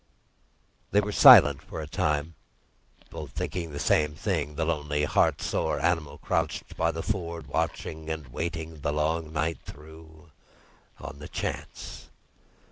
They were silent for a time, both thinking of the same thing—the lonely, heart sore animal, crouched by the ford, watching and waiting, the long night through—on the chance.